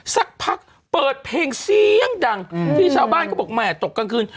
สักพักเปิดเพลงเสียงดังที่ชาวบ้านเขาบอกแหม่ตกกลางคืน